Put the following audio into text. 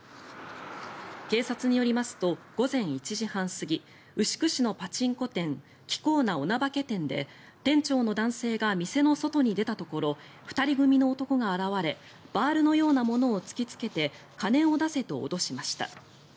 警察によりますと午前１時半過ぎ牛久市のパチンコ店キコーナ女化店で店長の男性が店の外に出たところ２人組の男が現れバールのようなものを突きつけて金を出せと脅しました。